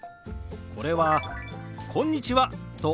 これは「こんにちは」と同じ手話。